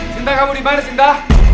sinta kamu dimana sinta